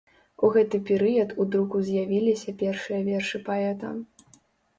У гэты перыяд у друку з'явіліся першыя вершы паэта.